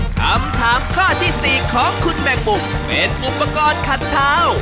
คำถามข้อที่๔ของคุณแบ่งปุ่มเป็นอุปกรณ์ขัดเท้า